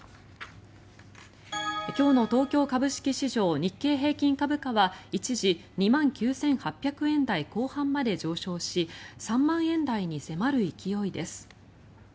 今日の東京株式市場日経平均株価は一時２万９８００円台後半まで上昇し３万円台に迫る勢いです。